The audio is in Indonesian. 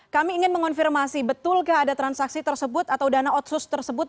kami ingin mengonfirmasi betulkah ada transaksi tersebut atau dana otsus tersebut